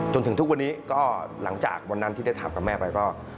จนถึงทุกวันนี้ก็หลังจากวันนั้นที่ได้ถามกับแม่ไปก็